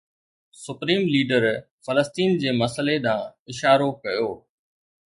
supreme leader فلسطين جي مسئلي ڏانهن اشارو ڪيو